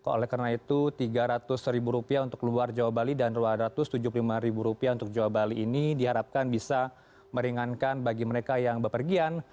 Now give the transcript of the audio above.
oleh karena itu rp tiga ratus untuk luar jawa bali dan rp dua ratus tujuh puluh lima untuk jawa bali ini diharapkan bisa meringankan bagi mereka yang berpergian